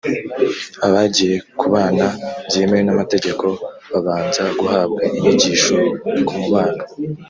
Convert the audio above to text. abagiye kubana byemewe n’amategeko babanza guhabwa inyigisho ku mubano